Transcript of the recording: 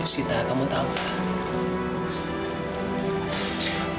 sita kamu tahu